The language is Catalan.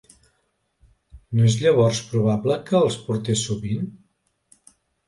No és llavors probable que els portés sovint?